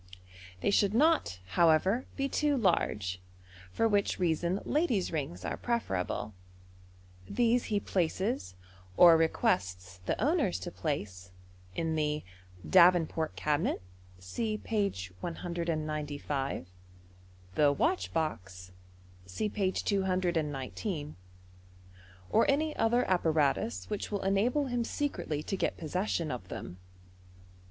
They should not, however, be too large, for which reason ladies' rings are preferable. These he places, or requests the owners to place, in the " Davenport cabinet " (see page 195), the " watch box " (see page 219), or any other apparatus which will enable him secretly to get possession of them.